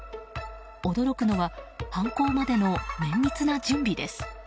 驚くのは犯行までの綿密な準備です。